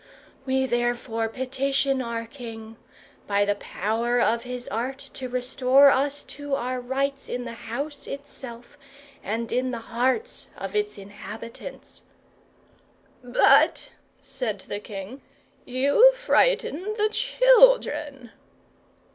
We therefore petition our king, by the power of his art, to restore us to our rights in the house itself, and in the hearts of its inhabitants." "But," said the king, "you frighten the children."